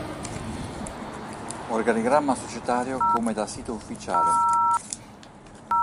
Organigramma societario come da sito ufficiale.